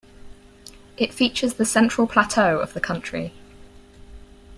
It features the central plateau of the country.